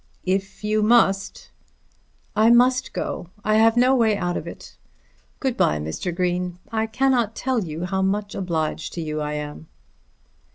"If you must " "I must go. I have no way out of it. Good bye, Mr. Green; I cannot tell you how much obliged to you I am."